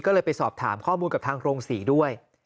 ก็เลยไปสอบถามข้อมูลกับทางโรงศรีด้วย